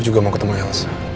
juga mau ketemu yang